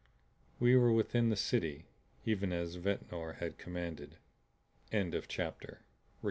We were within the City even as Ventnor had commanded. CHAPTER XIX.